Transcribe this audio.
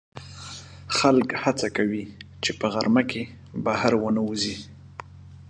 خلک هڅه کوي چې په غرمه کې بهر ونه وځي